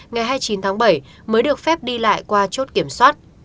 ngày hai mươi chín tháng bảy mới được phép đi lại qua chốt kiểm soát